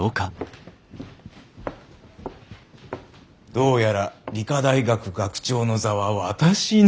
どうやら理科大学学長の座は私に。